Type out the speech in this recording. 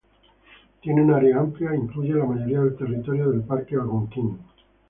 Tiene un área amplia, e incluye la mayoría del territorio del Parque Algonquin.